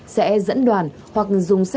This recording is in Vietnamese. sẽ dẫn đoàn hoặc dùng xét nghiệm